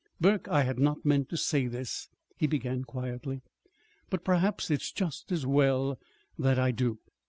"Burke, I had not meant to say this," he began quietly; "but perhaps it's just as well that I do.